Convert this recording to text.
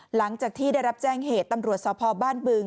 หลังจากที่ได้รับแจ้งเหตุตำรวจสพบ้านบึง